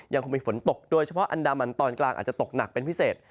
ยังคงมีฝนตกโดยเฉพาะอันดามันตอนกลางอาจจะตกหนักเป็นพิเศษ